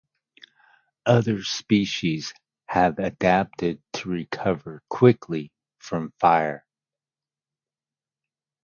Other species have adapted to recover quickly from fire.